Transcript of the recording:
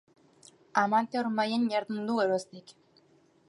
Amateur mailan jardun du geroztik.